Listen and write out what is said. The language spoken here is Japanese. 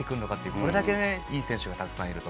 これだけいい選手がたくさんいると。